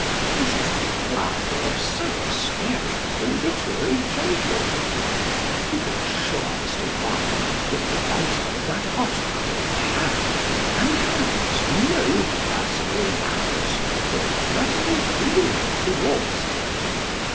This is unworthy of so experienced a literary gentleman. We can assure Mr. Wilde that the writer of that article had, and has, no "personal malice" or personal feeling towards him.